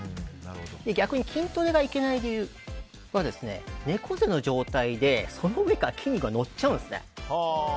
逆に筋トレがいけない理由は猫背の状態でその上から筋肉がのっちゃうんですね。